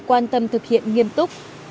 quan tâm thực hiện nghiêm túc